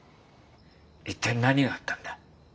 一体何があったんだ？